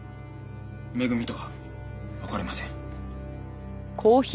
恵とは別れません。